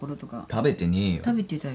食べてたよ。